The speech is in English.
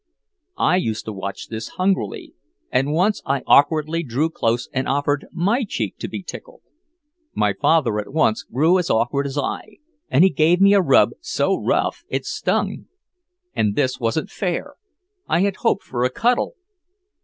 I used to watch this hungrily, and once I awkwardly drew close and offered my cheek to be tickled. My father at once grew as awkward as I, and he gave me a rub so rough it stung. And this wasn't fair I had hoped for a cuddle.